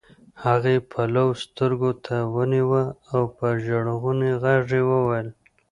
هغې پلو سترګو ته ونيوه او په ژړغوني غږ يې وويل.